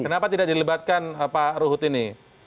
kenapa tidak dilebatkan pak ruhut ini